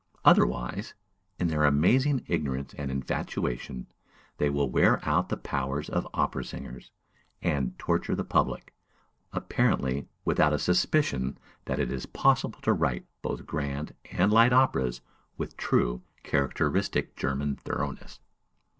otherwise, in their amazing ignorance and infatuation, they will wear out the powers of opera singers, and torture the public, apparently without a suspicion that it is possible to write both grand and light operas with true, characteristic German thoroughness.